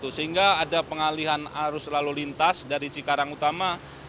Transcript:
sehingga ada pengalihan arus lalu lintas dari cikarang utama